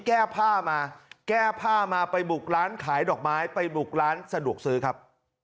แก้ผ้ามาแก้ผ้ามาไปบุกร้านขายดอกไม้ไปบุกร้านสะดวกซื้อครับ